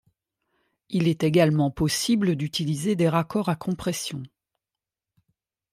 Il est également possible d’utiliser des raccords à compression.